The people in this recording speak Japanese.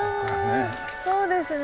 そうですよね。